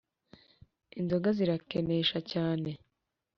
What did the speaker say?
inzoga zirakenesha cyane